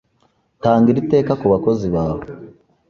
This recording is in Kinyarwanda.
Tanga iri teka kubakozi bawe.